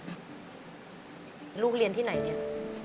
ลูกเรียนที่ไหนเนี่ย